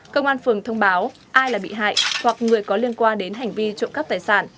công an phường thông báo ai là bị hại hoặc người có liên quan đến hành vi trộm cắp tài sản